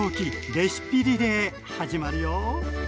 レシピリレー」始まるよ。